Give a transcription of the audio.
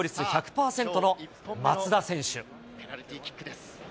日本のペナルティーキックです。